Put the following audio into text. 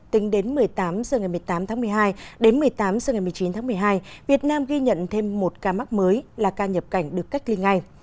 tính đến một mươi tám một mươi tám một mươi hai đến một mươi tám một mươi chín một mươi hai việt nam ghi nhận thêm một ca mắc mới là ca nhập cảnh được cách ly ngay